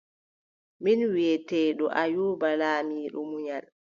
Min wiʼeteeɗo Ayuuba laamiɗo munyal.